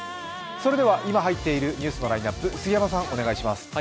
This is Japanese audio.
それでは、今入っているニュースのラインナップ、杉山さんお願いします。